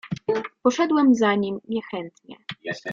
"Poszedłem za nim niechętnie."